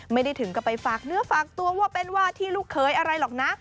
ไม่ได้ถึงกับไปฝากเนื้อฝากตัวว่าเป็นวาที่ลูกเคยอะไรหรอกนะ